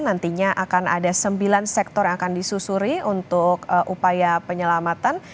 nantinya akan ada sembilan sektor yang akan disusuri untuk upaya penyelamatan